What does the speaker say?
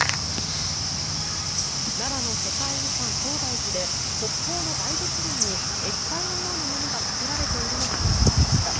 奈良の世界遺産、東大寺で国宝の大仏殿に液体のようなものがかけられているのが見つかりました。